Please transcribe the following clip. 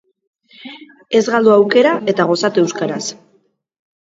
Ez galdu aukera, eta gozatu euskaraz!